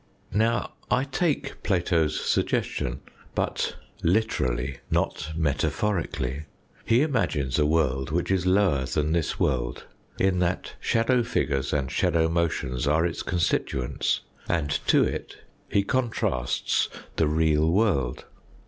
Now, I take Plato's suggestion ; but literally, not metaphorically. He imagines a world which is lower than this world, in that shadow figures and shadow motions are its constituents ; and to it he contrasts the real world.